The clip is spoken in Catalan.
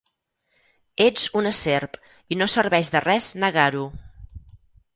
Ets una serp, i no serveix de res negar-ho.